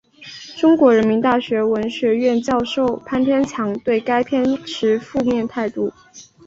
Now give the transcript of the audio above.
中国人民大学文学院教授潘天强对该片持负面态度。